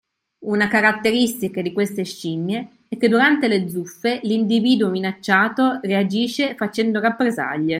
Una caratteristica di queste scimmie è che durante le zuffe l’individuo minacciato reagisce facendo rappresaglie.